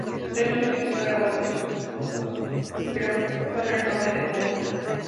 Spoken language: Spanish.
El cristal es muy sensible a golpes bruscos, pero proporciona el doble de puntos.